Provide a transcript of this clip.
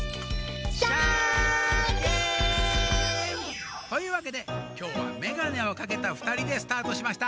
シャキーン！というわけできょうはめがねをかけたふたりでスタートしました。